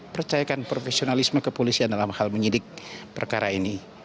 percayakan profesionalisme kepolisian dalam hal menyidik perkara ini